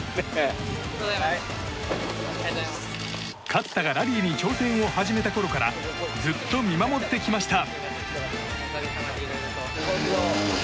勝田がラリーに挑戦を始めたころからずっと見守ってきました。